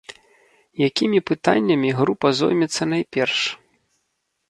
Якімі пытаннямі група зоймецца найперш?